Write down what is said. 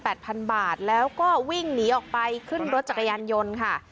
พันบาทแล้วก็วิ่งหนีออกไปขึ้นรถจักรยานยนต์ค่ะ